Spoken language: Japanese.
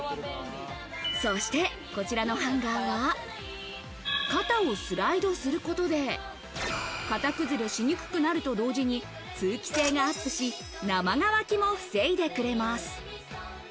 そしてこちらのハンガーは、肩をスライドすることで型崩れしにくくなると同時に通気性がアップし、生乾きも防いでくれます。